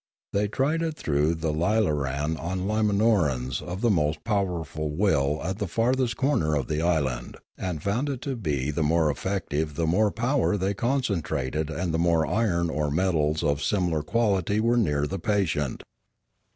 They tried it through the lilaran on Lima norans of the most powerful will at the farthest corner of the island, and found it to be the more effective the more power they concentrated and the more iron or metals of similar quality were near the patient.